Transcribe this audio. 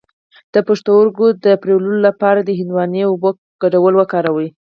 د پښتورګو د مینځلو لپاره د هندواڼې او اوبو ګډول وکاروئ